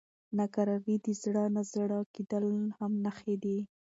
ناکراري او زړه نازړه کېدل هم نښې دي.